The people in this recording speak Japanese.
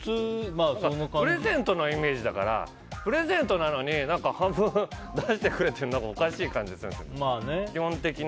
プレゼントのイメージだからプレゼントなのに半分出してくれっていうのも何かおかしい感じがするんですよ。